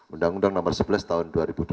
undang undang nomor sebelas tahun dua ribu dua